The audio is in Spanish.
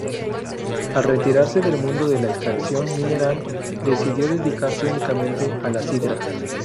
Al retirarse del mundo de la extracción mineral, decidió dedicarse únicamente a la sidra.